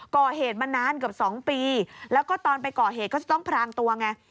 ก่อเหตุมานานเกือบ๒ปีแล้วก็ตอนไปก่อเหตุก็จะต้องพรางตัวไง